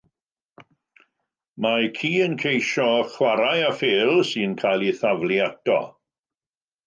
Mae ci yn ceisio chwarae â phêl sy'n cael ei thaflu ato.